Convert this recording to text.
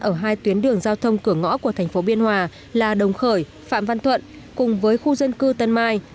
ở hai tuyến đường giao thông cửa ngõ của thành phố biên hòa là đồng khởi phạm văn thuận cùng với khu dân cư tân mai